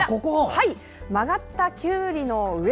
曲がったきゅうりの上。